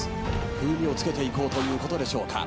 風味を付けていこうということでしょうか。